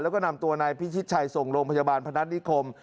แล้วก็นำตัวนายพิชิตชัยส่งโรงพยาบาลพนัฐนิคม